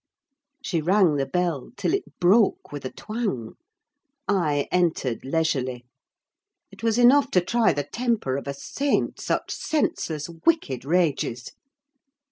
She rang the bell till it broke with a twang; I entered leisurely. It was enough to try the temper of a saint, such senseless, wicked rages!